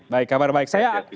baik kabar baik